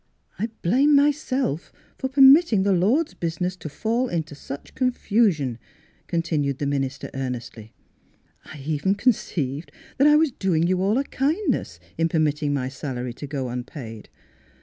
" I blame myself for permitting the Lord's business to fall into such con Miss Philura's Wedding Gown fusion," continued the minister earnestly. " I even conceived that I was doing you all a kindness in permitting my salary to go unpaid.